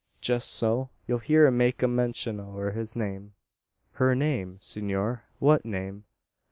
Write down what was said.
"Jest so. Ye'll hear him make mention o' her name." "Her name! Senor, what name?"